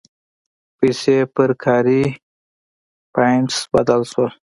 پیسې پر کاري پاینټس بدل شول.